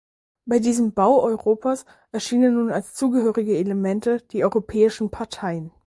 Bei diesem "Bau Europas" erscheinen nun als zugehörige Elemente die "europäischen Parteien" .